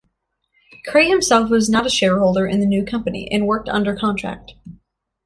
Cray himself was not a shareholder in the new company, and worked under contract.